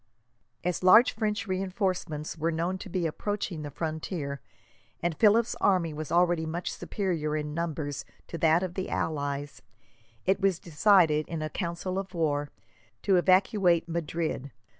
As large French reinforcements were known to be approaching the frontier, and Philip's army was already much superior in numbers to that of the allies, it was decided, in a council of war, to evacuate Madrid.